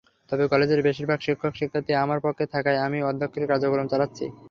তবে কলেজের বেশির ভাগ শিক্ষক-শিক্ষার্থী আমার পক্ষে থাকায় আমি অধ্যক্ষের কার্যক্রম চালাচ্ছি।